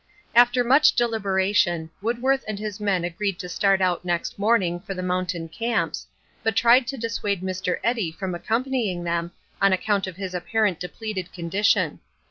After much deliberation, Woodworth and his men agreed to start out next morning for the mountain camps, but tried to dissuade Mr. Eddy from accompanying them on account of his apparent depleted condition.